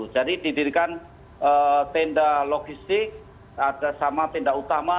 jadi didirikan tenda logistik sama tenda utama